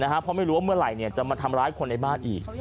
เพราะไม่รู้ว่าเมื่อไหร่จะมาทำร้ายคนในบ้านอีก